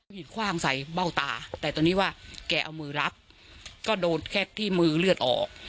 มีดคว่างใส่เบ้าตาแต่ตอนนี้ว่าแกเอามือรับก็โดนแค่ที่มือเลือดออก